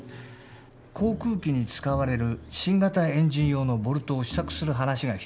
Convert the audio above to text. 航空機に使われる新型エンジン用のボルトを試作する話が来ています。